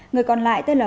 người còn lại tên là văn